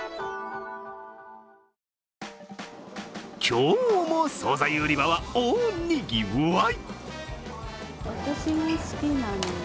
今日も総菜売り場は大にぎわい！